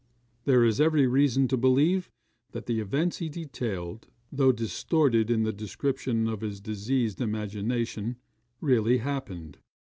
There is every reason to believe that the events he detailed, though distorted in the description by his diseased imagination, really happened.